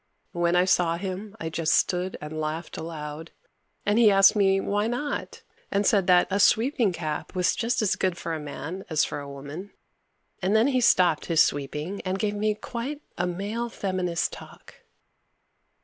When I saw him I just stood and laughed aloud, and he asked me why not, and said that a sweeping cap was just as good for a man as for a woman, and then he stopped his sweeping and gave me quite a male feminist talk.